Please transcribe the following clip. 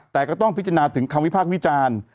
แต่ก็ต้องพิจารณาถึงคำวิพากษ์วิจารณ์